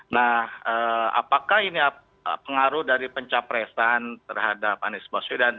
nah apakah ini pengaruh dari pencapresan terhadap anies baswedan